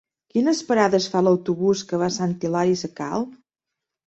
Quines parades fa l'autobús que va a Sant Hilari Sacalm?